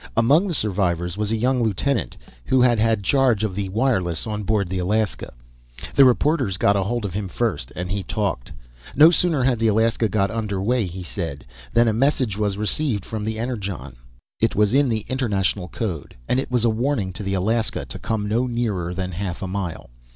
Among the survivors was a young lieutenant who had had charge of the wireless on board the Alaska. The reporters got hold of him first, and he talked. No sooner had the Alaska got under way, he said, than a message was received from the Energon. It was in the international code, and it was a warning to the Alaska to come no nearer than half a mile.